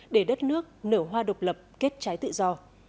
để đất nước nở hoa độc lập kết trái tự do